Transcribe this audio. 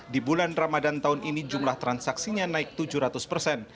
di bulan ramadan tahun ini jumlah transaksinya naik tujuh ratus persen